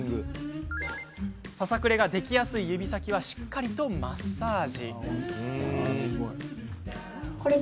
ささくれができやすい指先はしっかりとマッサージ。